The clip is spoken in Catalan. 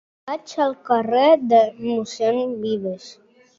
Vaig al carrer de Mossèn Vives.